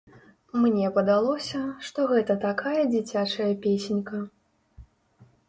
Мне падалося, што гэта такая дзіцячая песенька.